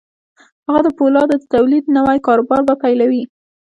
هغه د پولادو د تولید نوی کاروبار به پیلوي